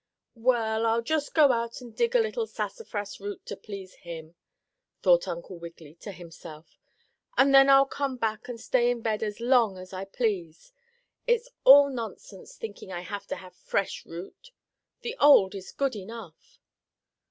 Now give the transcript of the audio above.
"Well, I'll just go out and dig a little sassafras root to please him," thought Uncle Wiggily to himself, "and then I'll come back and stay in bed as long as I please. It's all nonsense thinking I have to have fresh root the old is good enough."